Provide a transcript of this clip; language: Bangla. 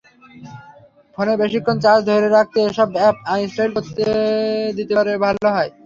ফোনে বেশিক্ষণ চার্জ ধরে রাখতে এসব অ্যাপ আনইনস্টল করে দিতে পারলে ভালো।